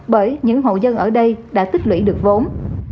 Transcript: bởi những hộ dân ở đây đã tích lũy được vốn